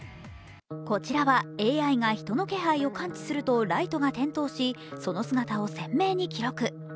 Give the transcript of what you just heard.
こちらはＡＩが人の気配を感知するとライトが点灯しその姿を鮮明に記録。